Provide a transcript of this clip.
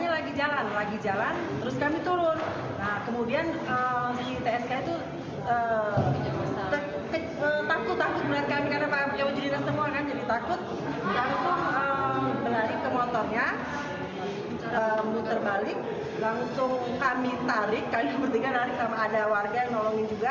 langsung berlari ke motornya menutur balik langsung kami tarik karena berdekat lari sama ada warga yang nolongin juga